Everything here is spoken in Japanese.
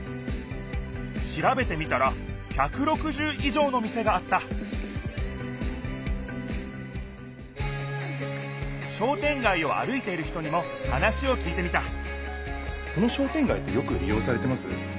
しらべてみたら１６０いじょうの店があった商店街を歩いている人にも話をきいてみたこの商店街ってよくり用されてます？